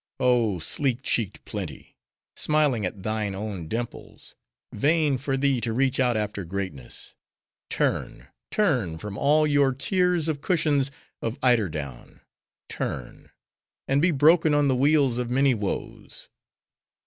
Oh, sleek cheeked Plenty! smiling at thine own dimples;—vain for thee to reach out after greatness. Turn! turn! from all your tiers of cushions of eider down—turn! and be broken on the wheels of many woes.